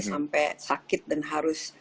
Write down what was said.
sampai sakit dan harus